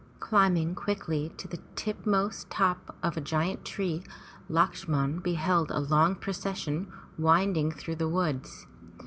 Climbing quickly to the tipmost top of a giant tree, Lakshman beheld a long procession winding through the woods.